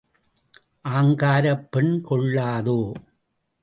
ஆங்காரப் பெண் கொள்ளாதோ?